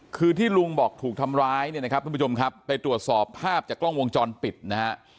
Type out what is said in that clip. คือที่ลุงบอกถูกทำร้ายเนี่ยนะครับทุกผู้ชมครับไปตรวจสอบภาพจากกล้องวงจรปิดนะฮะ